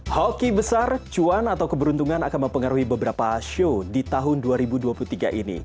hoki besar cuan atau keberuntungan akan mempengaruhi beberapa show di tahun dua ribu dua puluh tiga ini